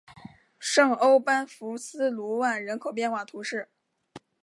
圣欧班福斯卢万人口变化图示